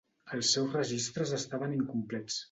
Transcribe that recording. Els seus registres estaven incomplets.